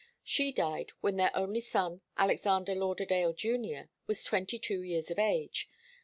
She died when their only son, Alexander Lauderdale Junior, was twenty two years of age.